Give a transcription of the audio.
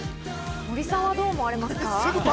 森さんはどう思われますか？